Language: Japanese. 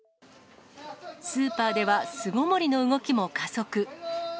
スーパーでは、巣ごもりの動きも加速。